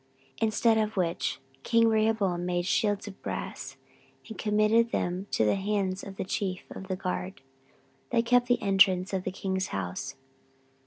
14:012:010 Instead of which king Rehoboam made shields of brass, and committed them to the hands of the chief of the guard, that kept the entrance of the king's house.